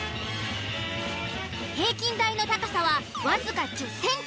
平均台の高さは僅か１０ｃｍ。